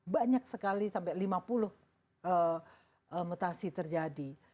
banyak sekali sampai lima puluh mutasi terjadi